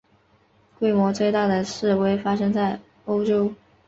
规模最大的示威发生在欧洲。